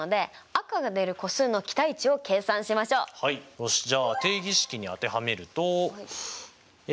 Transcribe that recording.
よしじゃあ定義式に当てはめるとえ